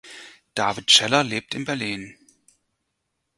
David Scheller lebt in Berlin.